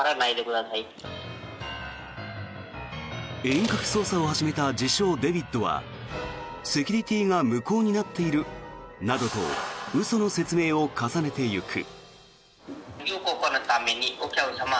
遠隔操作を始めた自称・デビッドはセキュリティーが無効になっているなどと嘘の説明を重ねていく。